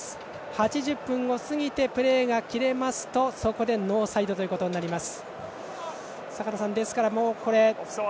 ８０分を過ぎてプレーが切れますとそこで、ノーサイドとなります。